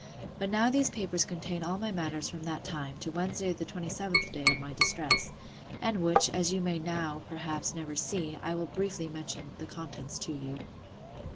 But now these papers contain all my matters from that time, to Wednesday the 27th day of my distress: And which, as you may now, perhaps, never see, I will briefly mention the contents to you.